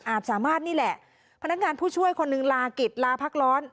สามารถนี่แหละพนักงานผู้ช่วยคนหนึ่งลากิจลาพักร้อน